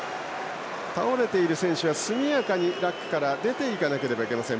倒れている選手は速やかにラックから出ていかなければいけません。